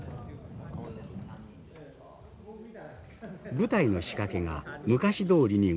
舞台の仕掛けが昔どおりに動く。